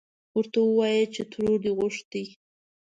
ورته ووايه چې ترور دې غوښتې.